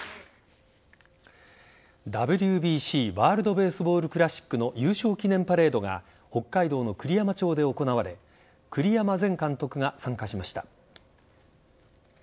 ＷＢＣワールド・ベースボール・クラシックの優勝記念パレードが北海道の栗山町で行われ栗山前監督が参加しました。